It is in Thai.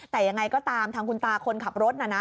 แต่ยังไงก็ตามทางคุณตาคนขับรถน่ะนะ